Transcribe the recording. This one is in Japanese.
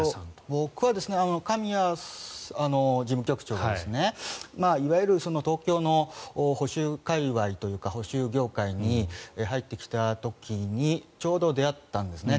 僕は神谷事務局長がいわゆる東京の保守界わいというか保守業界に入ってきた時にちょうどであったんですね。